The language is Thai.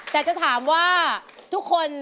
แต่จะถามว่าทุกคน